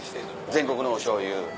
全国のおしょうゆ。